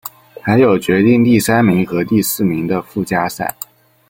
还有决定第三名和第四名的附加赛。